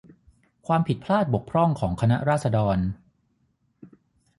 ความผิดพลาดบกพร่องของคณะราษฎร